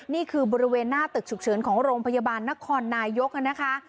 นี่คือบริเวณหน้าตึกฉุกเฉินของโรงพยาบาลนครนายกนะคะ